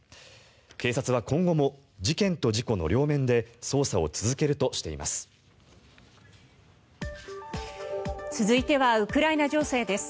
警察は今後も事件と事故の両面で捜査を続けるとしています。